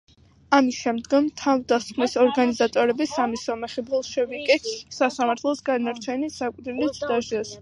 ამის შემდგომ, თავდასხმის ორგანიზატორები, სამი სომეხი ბოლშევიკი, სასამართლოს განაჩენით სიკვდილით დასაჯეს.